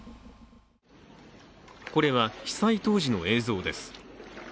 これは被災当時の映像です。